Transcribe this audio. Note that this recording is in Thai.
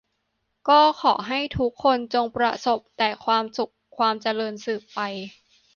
ก็ขอให้ทุกคนจงประสบแต่ความสุขความเจริญสืบไป